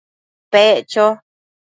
Pec cho